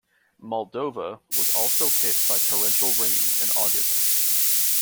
Moldova was also hit by torrential rains in August.